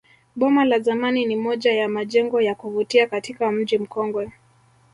Boma la zamani ni moja ya majengo ya kuvutia katika mji mkongwe